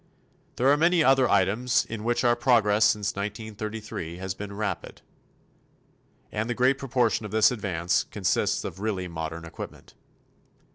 There are many other items in which our progress since 1933 has been rapid. And the great proportion of this advance consists of really modern equipment.